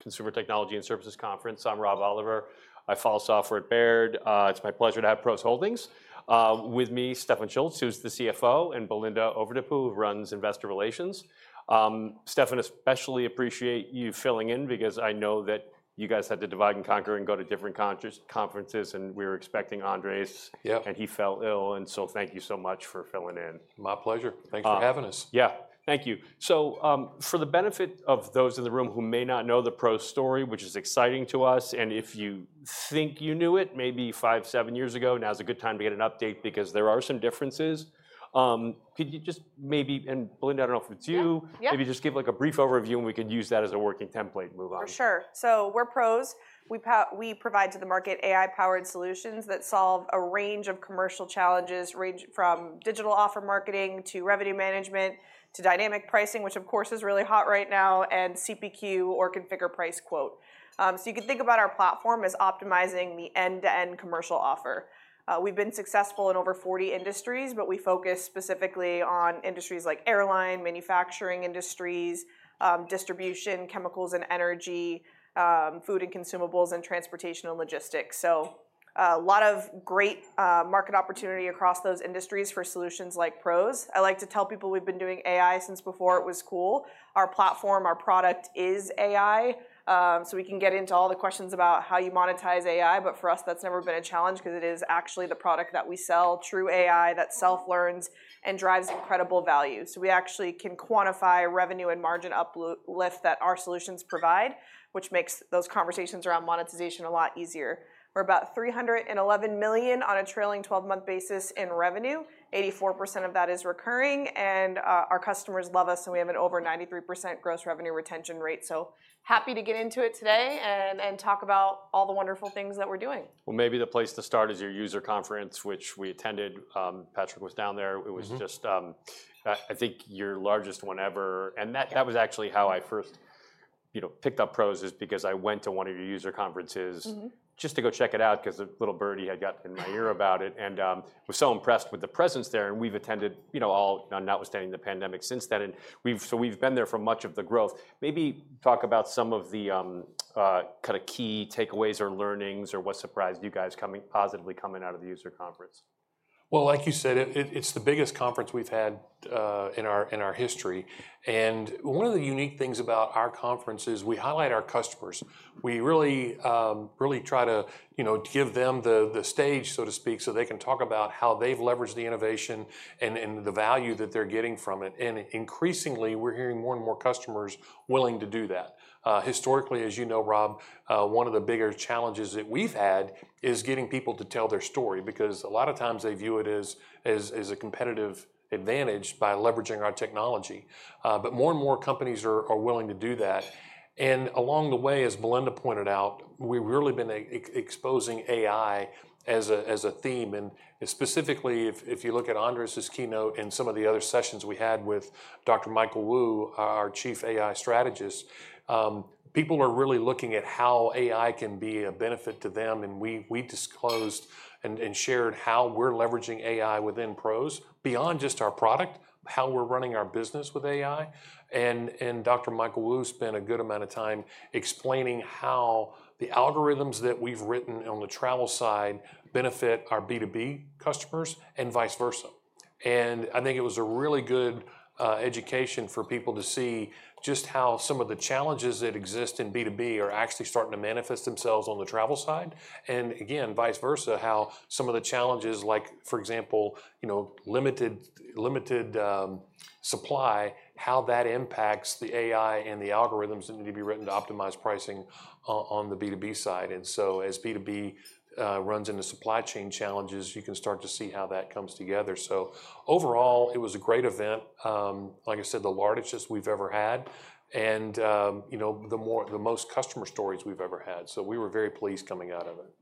Consumer Technology and Services Conference. I'm Rob Oliver. I follow software at Baird. It's my pleasure to have PROS Holdings with me, Stefan Schulz, who's the CFO, and Belinda Overdeput, who runs investor relations. Stefan, especially appreciate you filling in, because I know that you guys had to divide and conquer and go to different conferences, and we were expecting Andres- Yeah. He fell ill, and so thank you so much for filling in. My pleasure. Uh. Thanks for having us. Yeah, thank you. So, for the benefit of those in the room who may not know the PROS story, which is exciting to us, and if you think you knew it, maybe five, seven years ago, now is a good time to get an update because there are some differences. Could you just maybe, and Belinda, I don't know if it's you? Yeah, yeah. Maybe just give, like, a brief overview, and we could use that as a working template and move on. For sure. So we're PROS. We provide to the market AI-powered solutions that solve a range of commercial challenges, range from digital offer marketing, to revenue management, to dynamic pricing, which of course, is really hot right now, and CPQ or configure price quote. So you can think about our platform as optimizing the end-to-end commercial offer. We've been successful in over 40 industries, but we focus specifically on industries like airline, manufacturing industries, distribution, chemicals and energy, food and consumables, and transportation and logistics. So, a lot of great market opportunity across those industries for solutions like PROS. I like to tell people we've been doing AI since before it was cool. Our platform, our product is AI. So we can get into all the questions about how you monetize AI, but for us, that's never been a challenge, 'cause it is actually the product that we sell, true AI, that self-learns and drives incredible value. So we actually can quantify revenue and margin uplift that our solutions provide, which makes those conversations around monetization a lot easier. We're about $311 million on a trailing twelve-month basis in revenue. 84% of that is recurring, and our customers love us, and we have an over 93% gross revenue retention rate. So happy to get into it today and, and talk about all the wonderful things that we're doing. Well, maybe the place to start is your user conference, which we attended. Patrick was down there. Mm-hmm. It was just, I think your largest one ever, and that- Yeah... that was actually how I first, you know, picked up PROS, is because I went to one of your user conferences- Mm-hmm... just to go check it out, 'cause a little birdie had got in my ear about it, and was so impressed with the presence there, and we've attended, you know, all, notwithstanding the pandemic since then, and so we've been there for much of the growth. Maybe talk about some of the kind of key takeaways or learnings, or what surprised you guys positively coming out of the user conference. Well, like you said, it's the biggest conference we've had in our history, and one of the unique things about our conference is we highlight our customers. We really try to, you know, give them the stage, so to speak, so they can talk about how they've leveraged the innovation and the value that they're getting from it. And increasingly, we're hearing more and more customers willing to do that. Historically, as you know, Rob, one of the bigger challenges that we've had is getting people to tell their story, because a lot of times they view it as a competitive advantage by leveraging our technology. But more and more companies are willing to do that, and along the way, as Belinda pointed out, we've really been exposing AI as a theme, and specifically, if you look at Andres's keynote and some of the other sessions we had with Dr. Michael Wu, our Chief AI Strategist, people are really looking at how AI can be a benefit to them, and we disclosed and shared how we're leveraging AI within PROS, beyond just our product, how we're running our business with AI. And Dr. Michael Wu spent a good amount of time explaining how the algorithms that we've written on the travel side benefit our B2B customers, and vice versa. I think it was a really good education for people to see just how some of the challenges that exist in B2B are actually starting to manifest themselves on the travel side, and again, vice versa, how some of the challenges, like, for example, you know, limited supply, how that impacts the AI and the algorithms that need to be written to optimize pricing on the B2B side. So, as B2B runs into supply chain challenges, you can start to see how that comes together. So overall, it was a great event. Like I said, the largest we've ever had, and, you know, the most customer stories we've ever had. So we were very pleased coming out of it.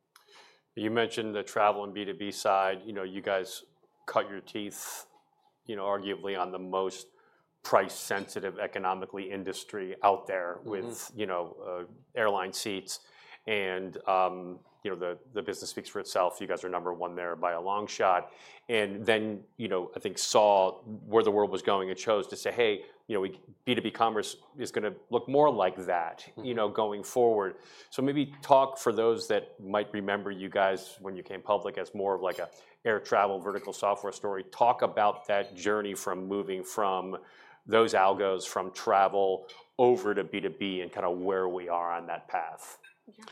You mentioned the travel and B2B side. You know, you guys cut your teeth, you know, arguably on the most price-sensitive, economic industry out there- Mm-hmm... with, you know, airline seats and, you know, the business speaks for itself. You guys are number one there by a long shot. And then, you know, I think, saw where the world was going and chose to say, "Hey, you know, we-- B2B commerce is gonna look more like that- Mm... you know, going forward. So maybe talk for those that might remember you guys when you came public as more of like an air travel vertical software story. Talk about that journey from moving from those algos, from travel over to B2B, and kind of where we are on that path. Yeah.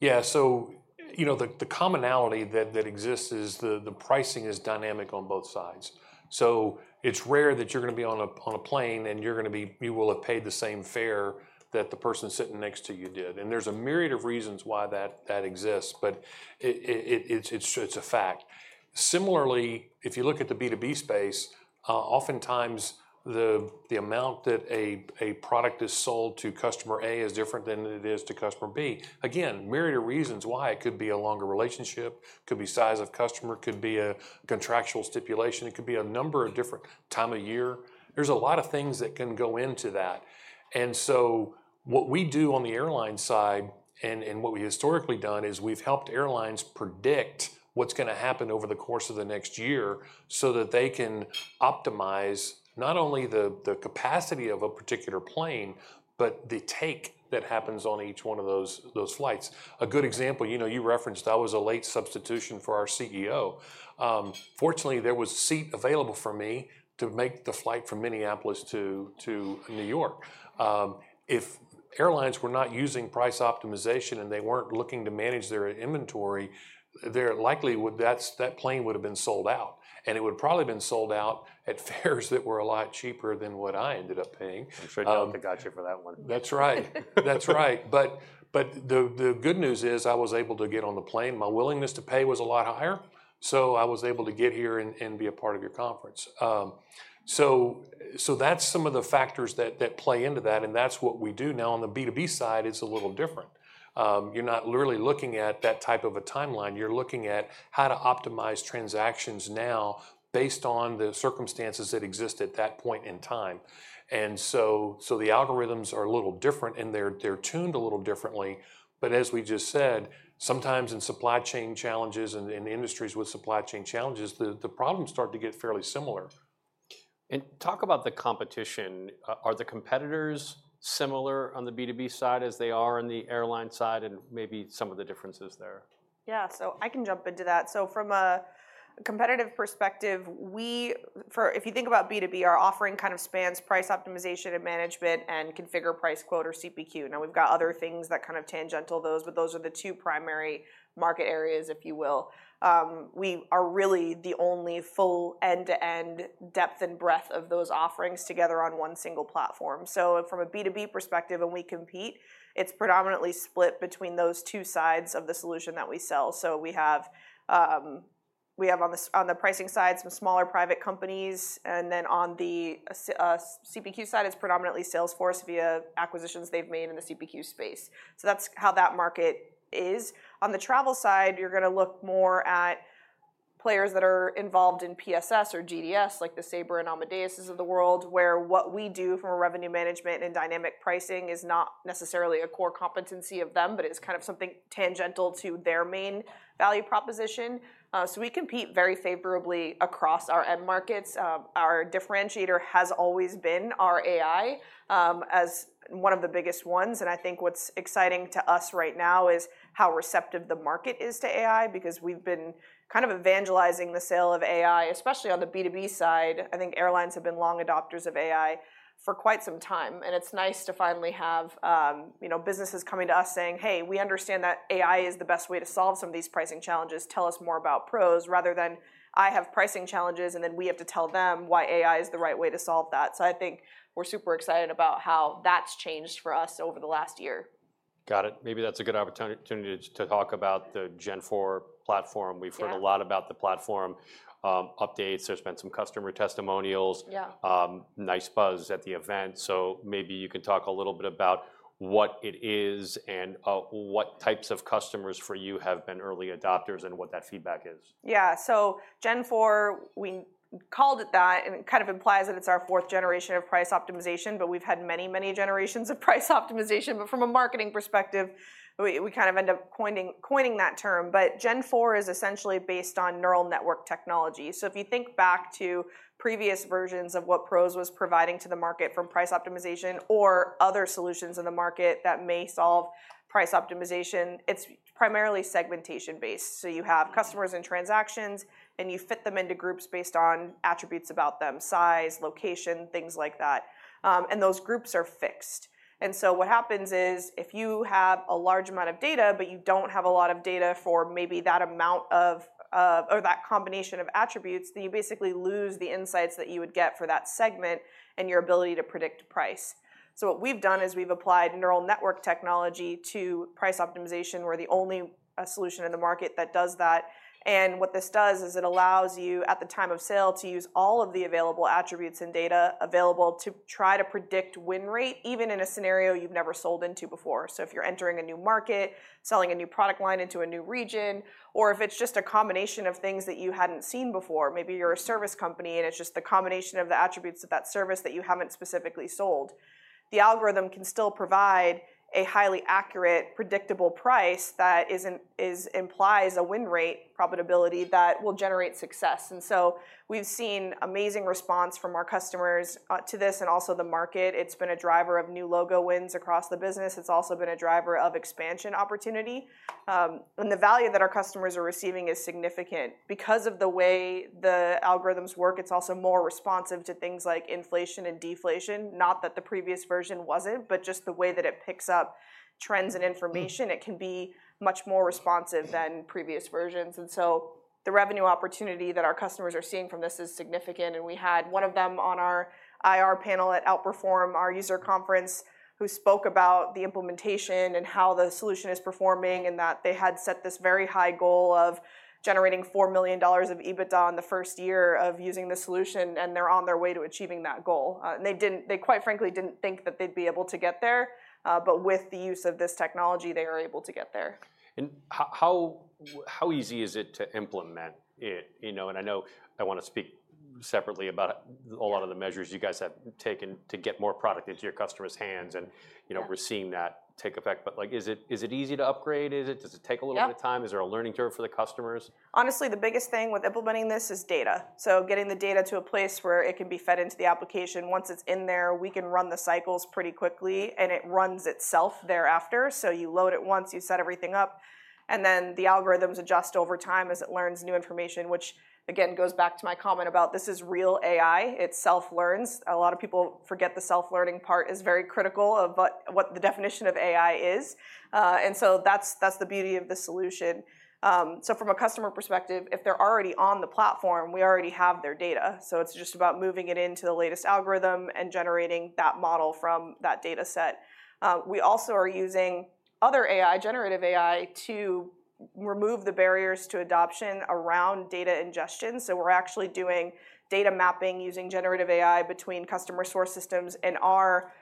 Yeah, so, you know, the commonality that exists is the pricing is dynamic on both sides. So it's rare that you're gonna be on a plane, and you will have paid the same fare that the person sitting next to you did. And there's a myriad of reasons why that exists, but it's a fact. Similarly, if you look at the B2B space, oftentimes, the amount that a product is sold to customer A is different than it is to customer B. Again, myriad of reasons why. It could be a longer relationship, could be size of customer, could be a contractual stipulation, it could be a number of different time of year. There's a lot of things that can go into that. And so what we do on the airline side, and what we've historically done, is we've helped airlines predict what's gonna happen over the course of the next year, so that they can optimize not only the capacity of a particular plane, but the take that happens on each one of those flights. A good example, you know, you referenced I was a late substitution for our CEO. Fortunately, there was a seat available for me to make the flight from Minneapolis to New York. If airlines were not using price optimization, and they weren't looking to manage their inventory, that plane would have been sold out, and it would probably been sold out at fares that were a lot cheaper than what I ended up paying. Make sure they got you for that one. That's right. That's right. But the good news is, I was able to get on the plane. My willingness to pay was a lot higher, so I was able to get here and be a part of your conference. So that's some of the factors that play into that, and that's what we do. Now, on the B2B side, it's a little different. You're not literally looking at that type of a timeline. You're looking at how to optimize transactions now based on the circumstances that exist at that point in time. And so the algorithms are a little different, and they're tuned a little differently. But as we just said, sometimes in supply chain challenges and in industries with supply chain challenges, the problems start to get fairly similar. Talk about the competition. Are the competitors similar on the B2B side as they are on the airline side, and maybe some of the differences there? Yeah, so I can jump into that. So from a competitive perspective, we, for—if you think about B2B, our offering kind of spans price optimization and management and configure price quote, or CPQ. Now, we've got other things that kind of tangential those, but those are the two primary market areas, if you will. We are really the only full end-to-end depth and breadth of those offerings together on one single platform. So from a B2B perspective, when we compete, it's predominantly split between those two sides of the solution that we sell. So we have on the pricing side, some smaller private companies, and then on the CPQ side, it's predominantly Salesforce via acquisitions they've made in the CPQ space. So that's how that market is. On the travel side, you're gonna look more at players that are involved in PSS or GDS, like the Sabre and Amadeuses of the world, where what we do from a revenue management and dynamic pricing is not necessarily a core competency of them, but it's kind of something tangential to their main value proposition. So we compete very favorably across our end markets. Our differentiator has always been our AI, as one of the biggest ones, and I think what's exciting to us right now is how receptive the market is to AI, because we've been kind of evangelizing the sale of AI, especially on the B2B side. I think airlines have been long adopters of AI for quite some time, and it's nice to finally have, you know, businesses coming to us saying: "Hey, we understand that AI is the best way to solve some of these pricing challenges. Tell us more about PROS," rather than, "I have pricing challenges," and then we have to tell them why AI is the right way to solve that. So I think we're super excited about how that's changed for us over the last year. Got it. Maybe that's a good opportunity to talk about the Gen IV platform. Yeah. We've heard a lot about the platform, updates. There's been some customer testimonials. Yeah. Nice buzz at the event. So maybe you can talk a little bit about what it is and what types of customers for you have been early adopters, and what that feedback is. Yeah. So Gen IV, we called it that, and it kind of implies that it's our fourth generation of price optimization, but we've had many, many generations of price optimization. But from a marketing perspective, we, we kind of end up coining, coining that term. But Gen IV is essentially based on neural network technology. So if you think back to previous versions of what PROS was providing to the market from price optimization or other solutions in the market that may solve price optimization, it's primarily segmentation-based. So you have customers and transactions, and you fit them into groups based on attributes about them, size, location, things like that. And those groups are fixed. And so what happens is, if you have a large amount of data, but you don't have a lot of data for maybe that amount of, of... or that combination of attributes, then you basically lose the insights that you would get for that segment and your ability to predict price. So what we've done is we've applied neural network technology to price optimization. We're the only solution in the market that does that. And what this does is it allows you, at the time of sale, to use all of the available attributes and data available to try to predict win rate, even in a scenario you've never sold into before. So if you're entering a new market, selling a new product line into a new region, or if it's just a combination of things that you hadn't seen before, maybe you're a service company, and it's just the combination of the attributes of that service that you haven't specifically sold, the algorithm can still provide a highly accurate, predictable price that implies a win rate profitability that will generate success. And so we've seen amazing response from our customers to this and also the market. It's been a driver of new logo wins across the business. It's also been a driver of expansion opportunity. And the value that our customers are receiving is significant. Because of the way the algorithms work, it's also more responsive to things like inflation and deflation. Not that the previous version wasn't, but just the way that it picks up trends and information- Mm... it can be much more responsive than previous versions. And so the revenue opportunity that our customers are seeing from this is significant, and we had one of them on our IR panel at Outperform, our user conference, who spoke about the implementation and how the solution is performing, and that they had set this very high goal of generating $4 million of EBITDA in the first year of using this solution, and they're on their way to achieving that goal. And they quite frankly, didn't think that they'd be able to get there, but with the use of this technology, they are able to get there. How easy is it to implement it? You know, and I know I wanna speak separately about a lot of the measures you guys have taken to get more product into your customers' hands, and- Yeah You know, we're seeing that take effect. But, like, is it, is it easy to upgrade? Is it- does it take a little bit of time? Yep. Is there a learning curve for the customers? Honestly, the biggest thing with implementing this is data, so getting the data to a place where it can be fed into the application. Once it's in there, we can run the cycles pretty quickly, and it runs itself thereafter. So you load it once, you set everything up, and then the algorithms adjust over time as it learns new information, which again, goes back to my comment about this is real AI. It self-learns. A lot of people forget the self-learning part is very critical of, but what the definition of AI is. And so that's, that's the beauty of the solution. So from a customer perspective, if they're already on the platform, we already have their data, so it's just about moving it into the latest algorithm and generating that model from that data set. We also are using other AI, generative AI, to remove the barriers to adoption around data ingestion, so we're actually doing data mapping using generative AI between customer source systems and our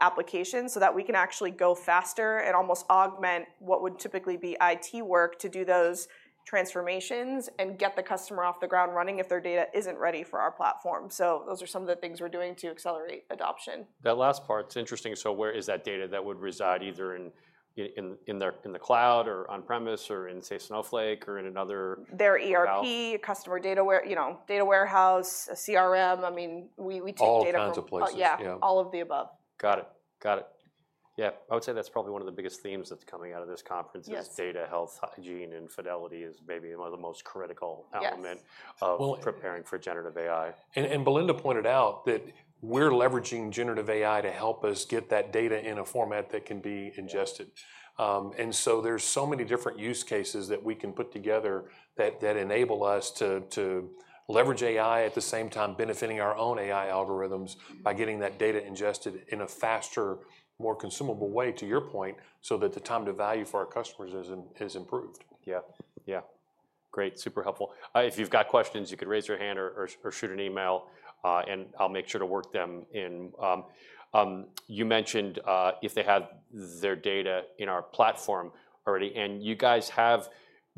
application, so that we can actually go faster and almost augment what would typically be IT work to do those transformations and get the customer off the ground running if their data isn't ready for our platform. So those are some of the things we're doing to accelerate adoption. That last part's interesting. So where is that data? That would reside either in the cloud or on-premise or in, say, Snowflake or in another- Their ERP- - cloud... customer data, you know, data warehouse, a CRM. I mean, we, we take data from- All kinds of places. Uh, yeah. Yeah. All of the above. Got it, got it. Yeah, I would say that's probably one of the biggest themes that's coming out of this conference- Yes... is data health, hygiene, and fidelity is maybe one of the most critical element- Yes... of- Well- - preparing for generative AI. And Belinda pointed out that we're leveraging generative AI to help us get that data in a format that can be ingested. Yeah. And so there's so many different use cases that we can put together that enable us to leverage AI, at the same time benefiting our own AI algorithms by getting that data ingested in a faster, more consumable way, to your point, so that the time to value for our customers is in- has improved. Yeah, yeah. Great, super helpful. If you've got questions, you could raise your hand or shoot an email, and I'll make sure to work them in. You mentioned if they have their data in our platform already, and you guys have,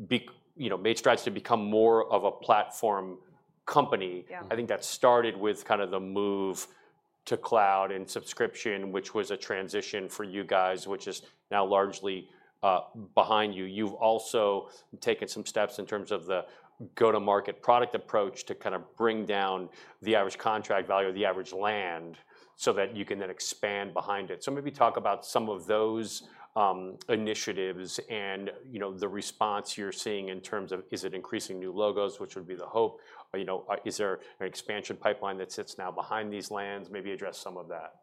you know, made strides to become more of a platform company. Yeah. I think that started with kind of the move to cloud and subscription, which was a transition for you guys, which is now largely behind you. You've also taken some steps in terms of the go-to-market product approach to kind of bring down the average contract value or the average land, so that you can then expand behind it. So maybe talk about some of those initiatives and, you know, the response you're seeing in terms of is it increasing new logos, which would be the hope, or, you know, is there an expansion pipeline that sits now behind these lands? Maybe address some of that.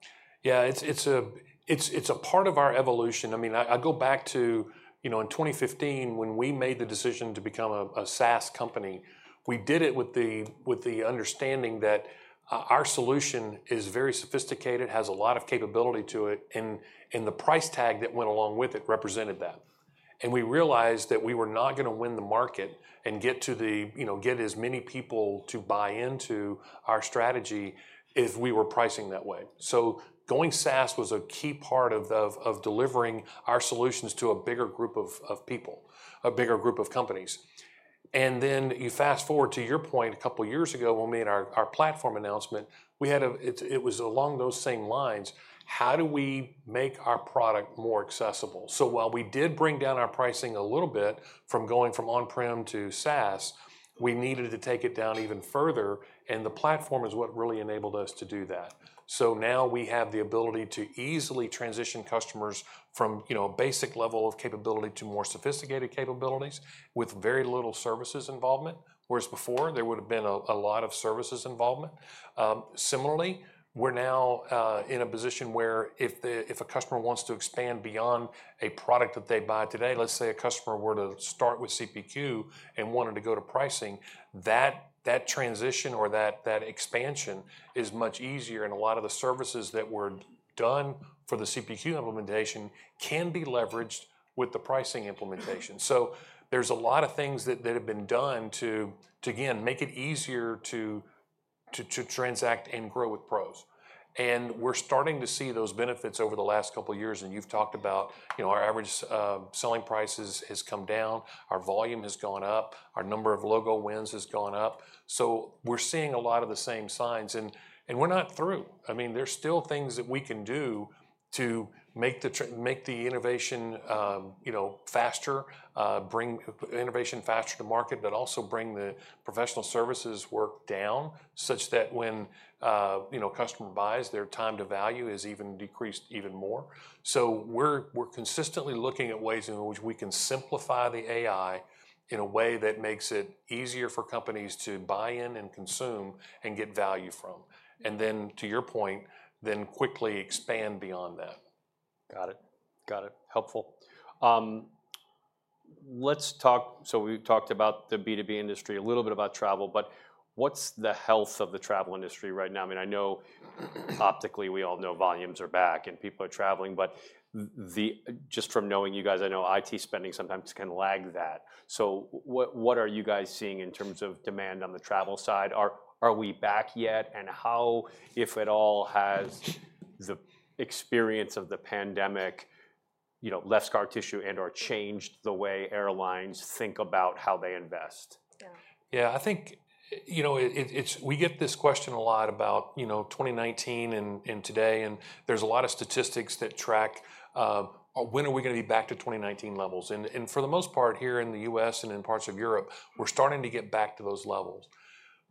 Yeah, it's a part of our evolution. I mean, I go back to, you know, in 2015, when we made the decision to become a SaaS company. We did it with the understanding that our solution is very sophisticated, has a lot of capability to it, and the price tag that went along with it represented that. And we realized that we were not gonna win the market and get to the... you know, get as many people to buy into our strategy if we were pricing that way. So going SaaS was a key part of delivering our solutions to a bigger group of people, a bigger group of companies. And then you fast-forward to your point a couple of years ago, when we made our platform announcement, we had a... It was along those same lines. How do we make our product more accessible? So while we did bring down our pricing a little bit from going from on-prem to SaaS, we needed to take it down even further, and the platform is what really enabled us to do that. So now we have the ability to easily transition customers from, you know, a basic level of capability to more sophisticated capabilities with very little services involvement, whereas before there would've been a lot of services involvement. Similarly, we're now in a position where if a customer wants to expand beyond a product that they buy today, let's say a customer were to start with CPQ and wanted to go to pricing, that transition or that expansion is much easier, and a lot of the services that were done for the CPQ implementation can be leveraged with the pricing implementation. So there's a lot of things that have been done to, again, make it easier to transact and grow with PROS. And we're starting to see those benefits over the last couple of years, and you've talked about, you know, our average selling prices has come down, our volume has gone up, our number of logo wins has gone up. So we're seeing a lot of the same signs, and we're not through. I mean, there's still things that we can do to make the innovation, you know, faster, bring innovation faster to market, but also bring the professional services work down, such that when, you know, a customer buys, their time to value is even decreased even more. So we're, we're consistently looking at ways in which we can simplify the AI in a way that makes it easier for companies to buy in and consume and get value from, and then, to your point, then quickly expand beyond that. Got it. Got it. Helpful. Let's talk... So we've talked about the B2B industry, a little bit about travel, but what's the health of the travel industry right now? I mean, I know optically, we all know volumes are back and people are traveling, but the, just from knowing you guys, I know IT spending sometimes can lag that. So what are you guys seeing in terms of demand on the travel side? Are we back yet? And how, if at all, has the experience of the pandemic... you know, left scar tissue and, or changed the way airlines think about how they invest? Yeah. Yeah, I think, you know, it, it's, we get this question a lot about, you know, 2019 and today, and there's a lot of statistics that track when are we gonna be back to 2019 levels? And for the most part, here in the U.S. and in parts of Europe, we're starting to get back to those levels.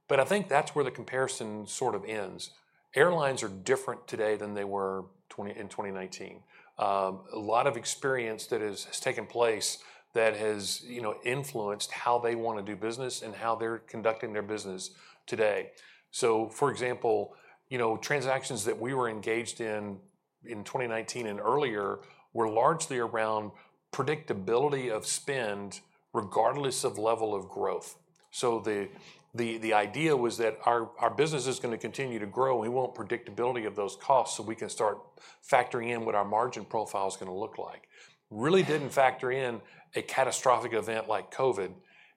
But I think that's where the comparison sort of ends. Airlines are different today than they were in 2019. A lot of experience that has taken place that has, you know, influenced how they want to do business and how they're conducting their business today. So, for example, you know, transactions that we were engaged in, in 2019 and earlier, were largely around predictability of spend, regardless of level of growth. So the idea was that our business is gonna continue to grow. We want predictability of those costs so we can start factoring in what our margin profile is gonna look like. Really didn't factor in a catastrophic event like COVID,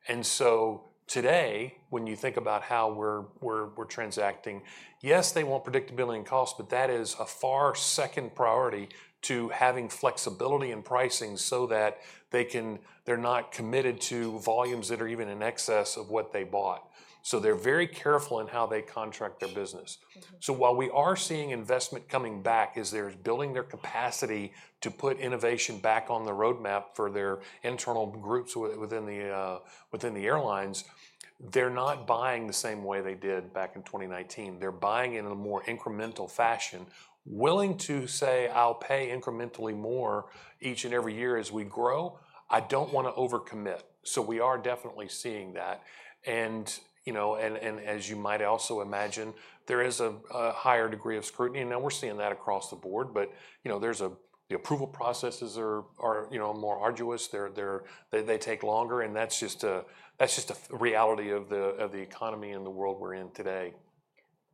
and so today, when you think about how we're transacting, yes, they want predictability in cost, but that is a far second priority to having flexibility in pricing so that they can... They're not committed to volumes that are even in excess of what they bought. So they're very careful in how they contract their business. Mm-hmm. So while we are seeing investment coming back, as they're building their capacity to put innovation back on the roadmap for their internal groups within the airlines, they're not buying the same way they did back in 2019. They're buying in a more incremental fashion, willing to say, "I'll pay incrementally more each and every year as we grow. I don't want to overcommit." So we are definitely seeing that. And, you know, as you might also imagine, there is a higher degree of scrutiny, and we're seeing that across the board. But, you know, the approval processes are, you know, more arduous. They take longer, and that's just a reality of the economy and the world we're in today.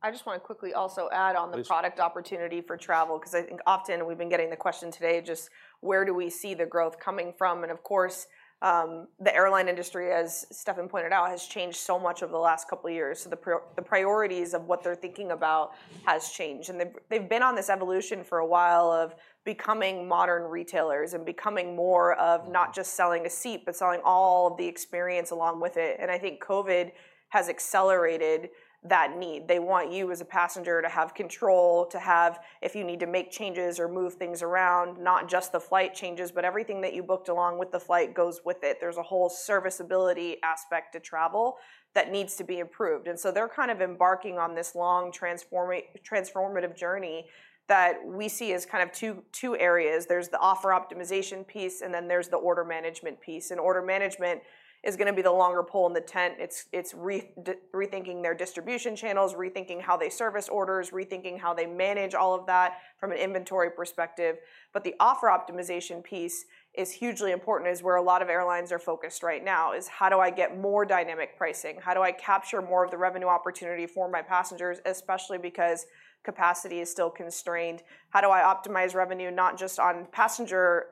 I just want to quickly also add on- Please... the product opportunity for travel, 'cause I think often we've been getting the question today, just where do we see the growth coming from? And, of course, the airline industry, as Stefan pointed out, has changed so much over the last couple of years. So the priorities of what they're thinking about has changed, and they've been on this evolution for a while of becoming modern retailers and becoming more of not just selling a seat, but selling all of the experience along with it, and I think COVID has accelerated that need. They want you, as a passenger, to have control, to have... If you need to make changes or move things around, not just the flight changes, but everything that you booked along with the flight goes with it. There's a whole serviceability aspect to travel that needs to be improved, and so they're kind of embarking on this long transformative journey that we see as kind of two areas. There's the offer optimization piece, and then there's the order management piece. And order management is gonna be the longer pole in the tent. It's rethinking their distribution channels, rethinking how they service orders, rethinking how they manage all of that from an inventory perspective. But the offer optimization piece is hugely important, is where a lot of airlines are focused right now, is how do I get more dynamic pricing? How do I capture more of the revenue opportunity for my passengers, especially because capacity is still constrained? How do I optimize revenue, not just on passenger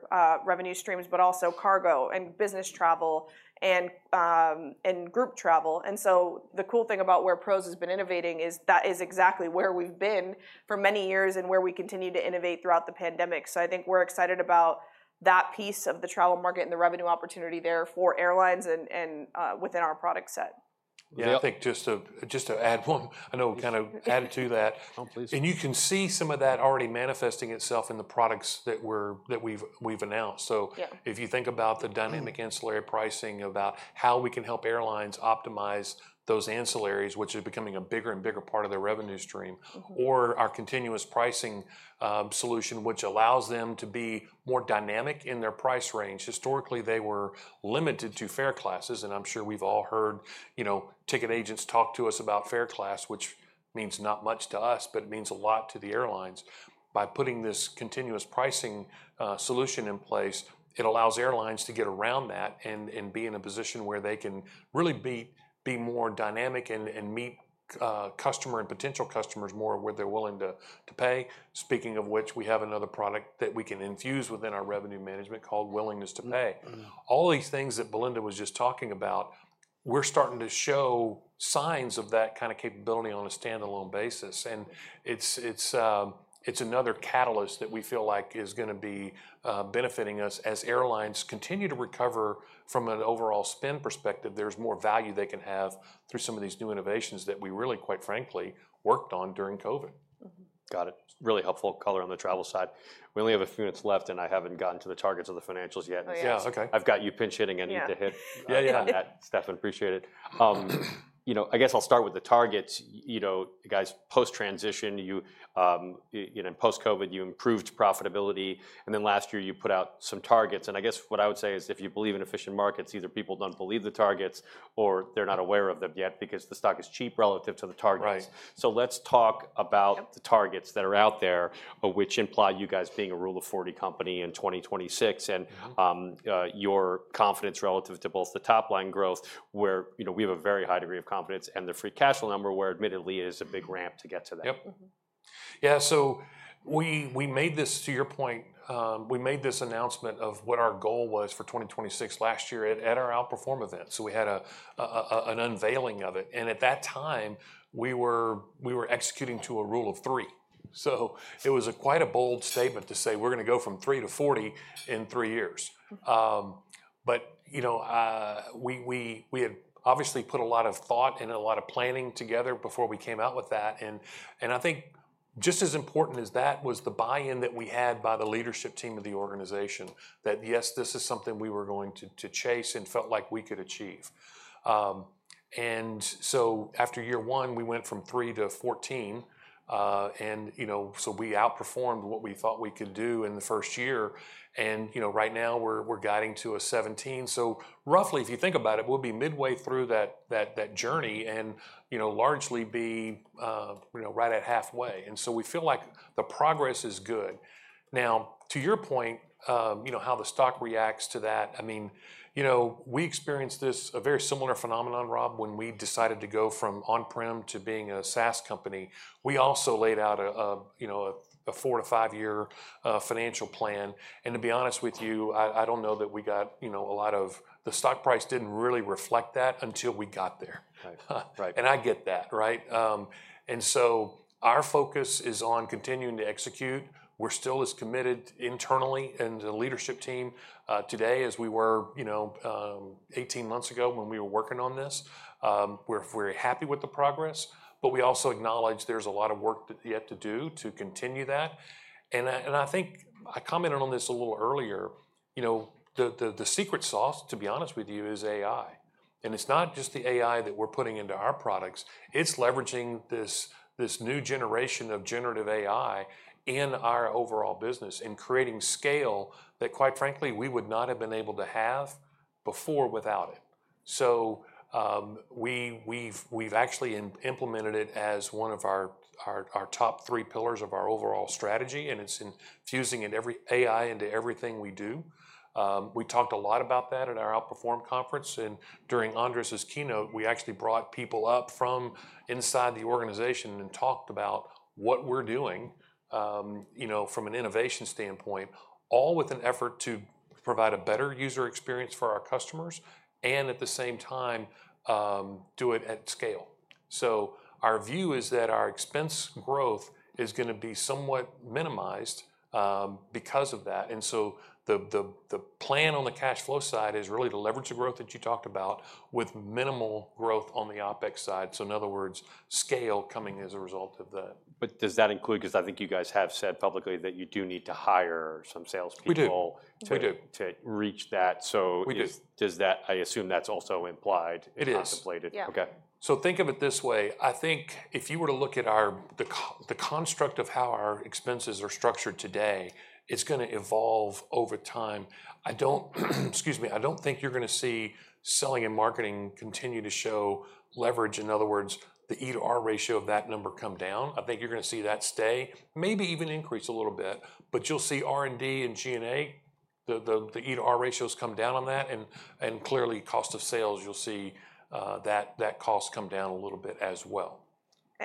revenue streams, but also cargo, and business travel, and group travel? And so the cool thing about where PROS has been innovating is that is exactly where we've been for many years and where we continue to innovate throughout the pandemic. So I think we're excited about that piece of the travel market and the revenue opportunity there for airlines and within our product set. Yeah. Yeah, I think just to, just to add one... I know we kind of- Sure... added to that. Oh, please. And you can see some of that already manifesting itself in the products that we've announced. So- Yeah... if you think about the dynamic- Mm-hmm ...ancillary pricing, about how we can help airlines optimize those ancillaries, which are becoming a bigger and bigger part of their revenue stream- Mm-hmm... or our continuous pricing solution, which allows them to be more dynamic in their price range. Historically, they were limited to fare classes, and I'm sure we've all heard, you know, ticket agents talk to us about fare class, which means not much to us, but it means a lot to the airlines. By putting this continuous pricing solution in place, it allows airlines to get around that and be in a position where they can really be more dynamic and meet customer and potential customers more where they're willing to pay. Speaking of which, we have another product that we can infuse within our revenue management called Willingness to Pay. All these things that Belinda was just talking about, we're starting to show signs of that kind of capability on a standalone basis, and it's another catalyst that we feel like is gonna be benefiting us. As airlines continue to recover from an overall spend perspective, there's more value they can have through some of these new innovations that we really, quite frankly, worked on during COVID. Mm-hmm. Got it. Really helpful color on the travel side. We only have a few minutes left, and I haven't gotten to the targets of the financials yet. Oh, yeah. Yes. Okay. I've got you pinch-hitting. Yeah. Yeah, yeah, on that, Stefan. Appreciate it. You know, I guess I'll start with the targets. You know, you guys, post-transition, you, you know, post-COVID, you improved profitability, and then last year, you put out some targets, and I guess what I would say is, if you believe in efficient markets, either people don't believe the targets or they're not aware of them yet because the stock is cheap relative to the targets. Right. So let's talk about- Yep... the targets that are out there, but which imply you guys being a Rule of 40 company in 2026 and- Yeah... your confidence relative to both the top line growth, where, you know, we have a very high degree of confidence, and the free cash flow number, where admittedly, it is a big ramp to get to that. Yep. Mm-hmm. Yeah, so we made this... To your point, we made this announcement of what our goal was for 2026 last year at our Outperform event. So we had an unveiling of it, and at that time, we were executing to a rule of 3.... So it was quite a bold statement to say, "We're gonna go from 3 to 40 in 3 years." But, you know, we had obviously put a lot of thought and a lot of planning together before we came out with that, and I think just as important as that was the buy-in that we had by the leadership team of the organization, that yes, this is something we were going to chase and felt like we could achieve. And so after year one, we went from 3 to 14, and, you know, so we outperformed what we thought we could do in the first year. And, you know, right now, we're guiding to a 17. So roughly, if you think about it, we'll be midway through that journey and, you know, largely be, you know, right at halfway, and so we feel like the progress is good. Now, to your point, you know, how the stock reacts to that, I mean, you know, we experienced this, a very similar phenomenon, Rob, when we decided to go from on-prem to being a SaaS company. We also laid out a, you know, a 4- to 5-year financial plan, and to be honest with you, I don't know that we got, you know, a lot of... The stock price didn't really reflect that until we got there. Right. Right. And I get that, right? And so our focus is on continuing to execute. We're still as committed internally in the leadership team, today as we were, you know, 18 months ago when we were working on this. We're very happy with the progress, but we also acknowledge there's a lot of work that we have to do to continue that. And I think I commented on this a little earlier, you know, the secret sauce, to be honest with you, is AI, and it's not just the AI that we're putting into our products, it's leveraging this new generation of generative AI in our overall business and creating scale that, quite frankly, we would not have been able to have before without it. So, we've actually implemented it as one of our top three pillars of our overall strategy, and it's infusing AI into everything we do. We talked a lot about that at our Outperform conference, and during Andres's keynote, we actually brought people up from inside the organization and talked about what we're doing, you know, from an innovation standpoint, all with an effort to provide a better user experience for our customers and, at the same time, do it at scale. So our view is that our expense growth is gonna be somewhat minimized because of that, and so the plan on the cash flow side is really to leverage the growth that you talked about with minimal growth on the OpEx side, so in other words, scale coming as a result of that. But does that include... 'Cause I think you guys have said publicly that you do need to hire some salespeople- We do. We do... to reach that. So- We do... does that- I assume that's also implied- It is... and contemplated. Yeah. Okay. So think of it this way: I think if you were to look at the construct of how our expenses are structured today, it's gonna evolve over time. I don't think you're gonna see selling and marketing continue to show leverage, in other words, the E/R ratio of that number come down. I think you're gonna see that stay, maybe even increase a little bit, but you'll see R&D and G&A, the E/R ratios come down on that, and clearly, cost of sales, you'll see that cost come down a little bit as well.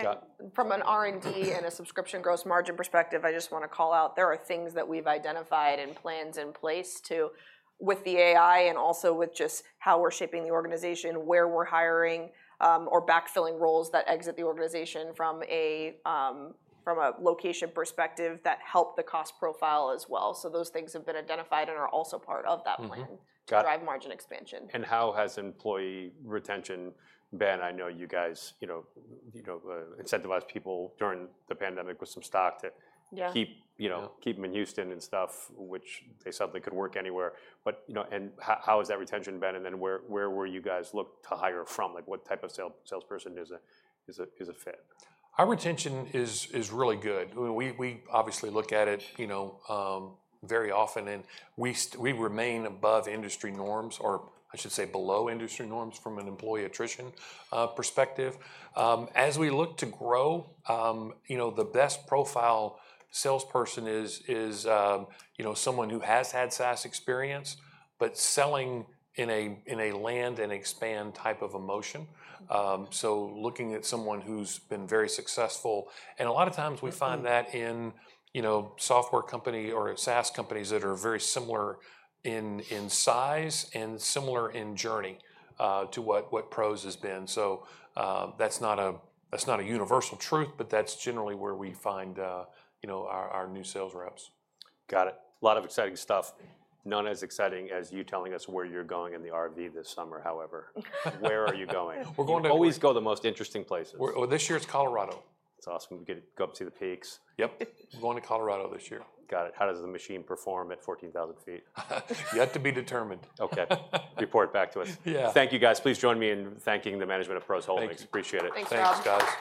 Got- From an R&D and a subscription gross margin perspective, I just wanna call out there are things that we've identified and plans in place to, with the AI and also with just how we're shaping the organization, where we're hiring, or backfilling roles that exit the organization from a, from a location perspective that help the cost profile as well. So those things have been identified and are also part of that plan- Mm-hmm. Got it.... to drive margin expansion. How has employee retention been? I know you guys, you know, you know, incentivized people during the pandemic with some stock to- Yeah... keep, you know, keep them in Houston and stuff, which they suddenly could work anywhere. But, you know, and how has that retention been, and then where will you guys look to hire from? Like, what type of salesperson is a fit? Our retention is really good. We obviously look at it, you know, very often, and we remain above industry norms, or I should say below industry norms from an employee attrition perspective. As we look to grow, you know, the best profile salesperson is someone who has had SaaS experience, but selling in a land-and-expand type of a motion. So looking at someone who's been very successful, and a lot of times we find that in software company or SaaS companies that are very similar in size and similar in journey to what PROS has been. So that's not a universal truth, but that's generally where we find our new sales reps. Got it. A lot of exciting stuff. Not as exciting as you telling us where you're going in the RV this summer, however. Where are you going? We're going to- You always go to the most interesting places. Well, this year it's Colorado. It's awesome. We get to go up to the peaks. Yep. We're going to Colorado this year. Got it. How does the machine perform at 14,000 feet? Yet to be determined. Okay. Report back to us. Yeah. Thank you, guys. Please join me in thanking the management of PROS Holdings. Thanks. Appreciate it. Thanks, Rob. Thanks, guys.